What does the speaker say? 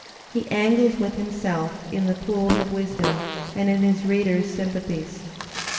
He "angles with himself" in the pools of wisdom and in his reader's sympathies.